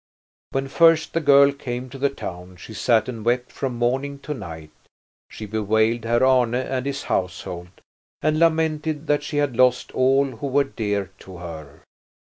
When first the girl came to the town she sat and wept from morning to night. She bewailed Herr Arne and his household, and lamented that she had lost all who were dear to her.